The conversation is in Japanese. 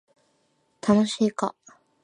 楽しいか